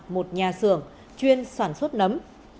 một nhà xưởng chuyên sản xuất nấm